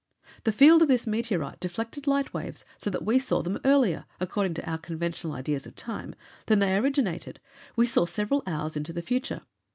The field of this meteorite deflected light waves so that we saw them earlier, according to our conventional ideas of time, than they originated. We saw several hours into the future.